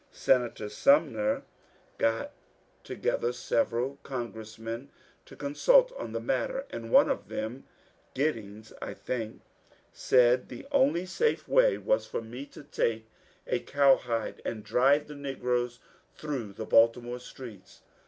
Senator Sumner got together several con gressmen to consult on the matter, and one of them — Gid dings, I think — said the only safe way was for me to take a cowhide and drive the negroes through the Baltimore streets